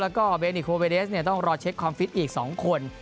แล้วก็เบนิโคเวเดสต้องรอเช็คความฟิตอีก๒คน